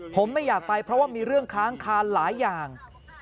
ผมไม่อยากไปเพราะว่ามีเรื่องค้างคานหลายอย่าง